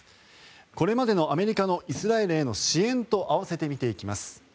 これまでのアメリカのイスラエルへの支援と合わせて見ていきます。